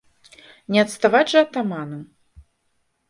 Не адставаць жа атаману?